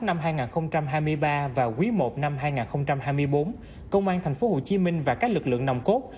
năm hai nghìn hai mươi ba và quý i năm hai nghìn hai mươi bốn công an tp hcm và các lực lượng nồng cốt